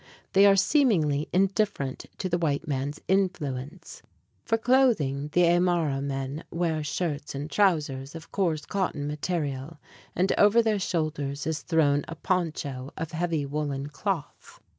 They are seemingly indifferent to the white man's influence. For clothing, the Aymará men wear shirts and trousers of a coarse cotton material; and over their shoulders is thrown a poncho of heavy woolen cloth.